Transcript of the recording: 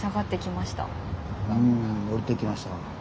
うん下りてきました。